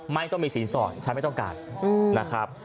ไม่ต้องมีสินสอนฉันไม่ต้องการนะครับ